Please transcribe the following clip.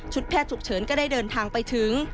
ชุดแพทย์ถูกเชิญก็ได้เดินทางไปถึง